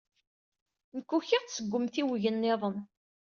Nekk usiɣ-d seg umtiweg niḍen.